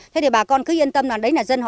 thế thì bà con cứ yên tâm nào đấy là dân họ